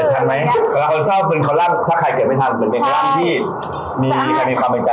สาราคนเศร้าเป็นคนละที่ถ้าใครเกิดไม่ทัน